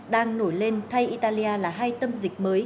đang nổi lên thay italia là hai tâm dịch mới